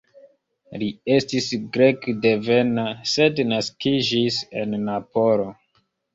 Li estis grekdevena, sed naskiĝis en Napolo.